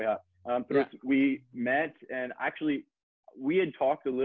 terus kita bertemu dan sebenarnya kita udah ngobrol sedikit